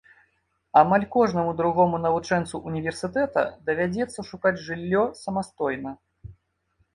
Амаль кожнаму другому навучэнцу ўніверсітэта давядзецца шукаць жыллё самастойна.